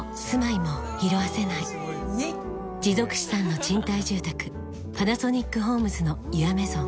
持続資産の賃貸住宅「パナソニックホームズのユアメゾン」